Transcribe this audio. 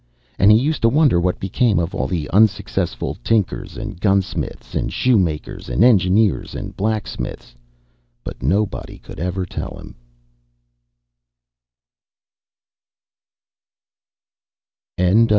And he used to wonder what became of all the unsuccessful tinkers, and gunsmiths, and shoemakers, and engineers, and blacksmiths; but nobody could ever tell him.